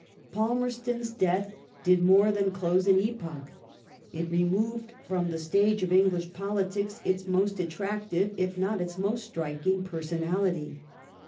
Palmerston's death did more than close an epoch. It re His char moved from the stage of English politics its most attractive, if not ^^^^^ its most striking pei*sonality.